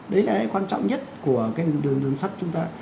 đấy là cái quan trọng nhất của cái đường đường sắt chúng ta